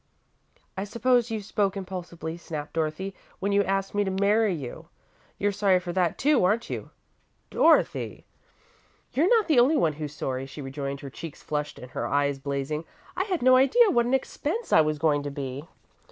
"I suppose you spoke impulsively," snapped Dorothy, "when you asked me to marry you. You're sorry for that, too, aren't you?" "Dorothy!" "You're not the only one who's sorry," she rejoined, her cheeks flushed and her eyes blazing. "I had no idea what an expense I was going to be!"